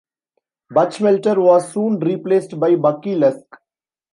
Buchmelter was soon replaced by Bucky Lusk.